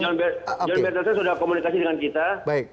john berdasar sudah komunikasi dengan kita